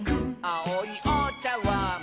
「あおいおちゃわん」